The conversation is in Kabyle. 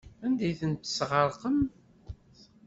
Anda ay ten-tesɣerqem?